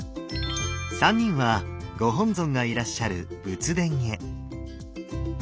３人はご本尊がいらっしゃる仏殿へ。